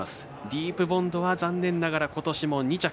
ディープボンドは残念ながら、ことしも２着。